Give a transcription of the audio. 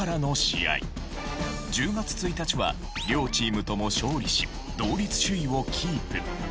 １０月１日は両チームとも勝利し同率首位をキープ。